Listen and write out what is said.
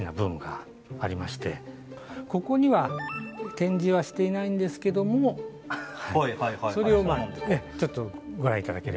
ここには展示はしていないんですけどもそれをちょっとご覧頂ければなというふうに。